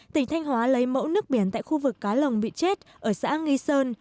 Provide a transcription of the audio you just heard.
tỉnh thanh hóa lấy mẫu nước biển tại khu vực cá lồng bị chết ở xã nghi sơn